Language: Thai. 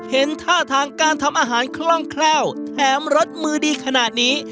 เห็นท่าทางการทำอาหารคล่องแคล่วแถมรสมือดีขนาดนี้